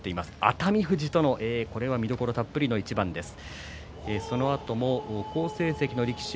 熱海富士との見どころたっぷりな一番です。